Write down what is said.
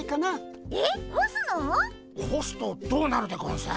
ほすとどうなるでゴンス？